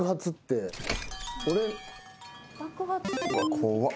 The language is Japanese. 怖っ。